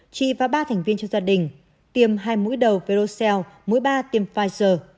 chị và ba thành viên trong gia đình tiêm hai mũi đầu verocell mũi ba tiêm pfizer